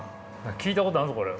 聞いたことあんぞこれ。